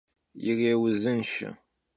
Yirêuzınşşe!